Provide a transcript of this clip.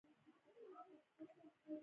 اور ته خپل او پردي یو دي